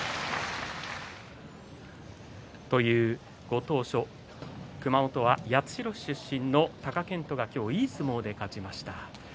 ご当所、熊本は八代市出身の貴健斗が今日いい相撲で勝ちました。